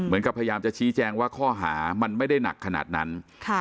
เหมือนกับพยายามจะชี้แจงว่าข้อหามันไม่ได้หนักขนาดนั้นค่ะ